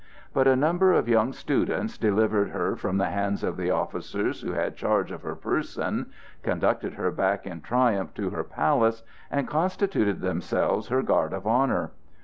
But a number of young students delivered her from the hands of the officers who had charge of her person, conducted her back in triumph to her palace, and constituted themselves her guard of honor.